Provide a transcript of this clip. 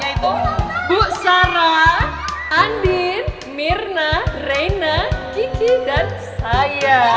yaitu bu sara andin mirna reyna kiki dan saya